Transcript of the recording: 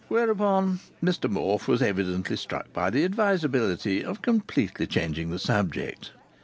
Whereupon Mr Morfe was evidently struck by the advisability of completely changing the subject.